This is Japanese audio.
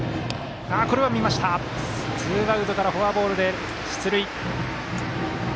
ツーアウトからフォアボールで出塁。